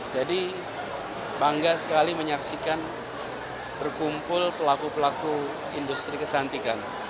jadi bangga sekali menyaksikan berkumpul pelaku pelaku industri kecantikan